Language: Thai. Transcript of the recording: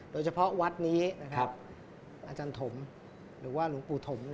โดยเฉพาะวัดนี้อาจารย์ถมหรือว่าหลวงปู่ถม